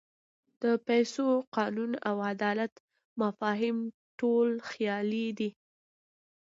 د پیسو، قانون او عدالت مفاهیم ټول خیالي دي.